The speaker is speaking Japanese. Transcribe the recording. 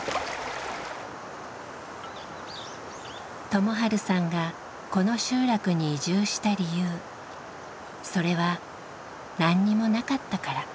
友治さんがこの集落に移住した理由それは何にもなかったから。